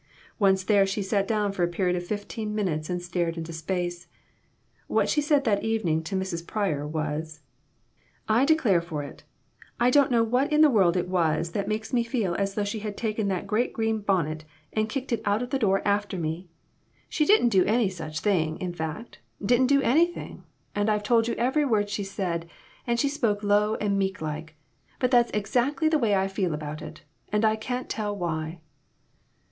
Once there, she sat down for a period of fifteen minutes and stared into space. What she said that evening to Mrs. Pryor was "I declare for it, I don't know what in the world it was that makes me feel as though she had taken that green bonnet and kicked it out of 96 BONNETS, AND BURNS, AND BURDENS. the door after me. She didn't do any such thing ; in fact, didn't do anything, and I've told you every word she said, and she spoke low and meek like, but that's exactly the way I feel about it, and I can't tell why."